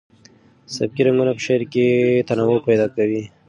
سبکي رنګونه په شعر کې تنوع پیدا کوي.